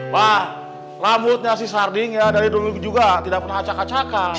wah rambutnya si sarding ya dari dulu juga tidak pernah acak acakan